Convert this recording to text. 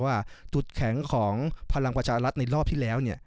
ว่าจุดแข็งของพลังประชารัฐในรอบที่แล้ว